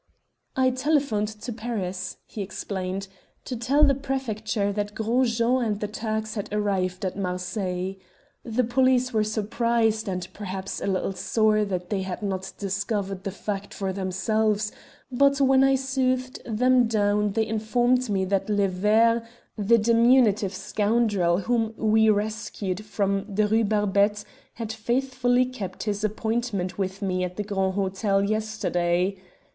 "I telephoned to Paris," he explained, "to tell the Prefecture that Gros Jean and the Turks had arrived at Marseilles. The police were surprised, and perhaps a little sore, that they had not discovered the fact for themselves, but when I soothed them down they informed me that 'Le Ver' the diminutive scoundrel whom we rescued from the Rue Barbette had faithfully kept his appointment with me at the Grand Hotel yesterday.